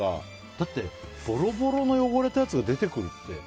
だって、ぼろぼろの汚れたやつが出てくるって。